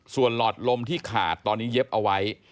ส่วนหลอดลมที่ขาดตอนนี้เย็บเอาไว้